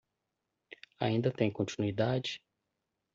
Ainda tem continuidade